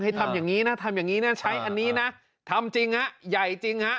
ทำอย่างนี้นะทำอย่างนี้นะใช้อันนี้นะทำจริงฮะใหญ่จริงฮะ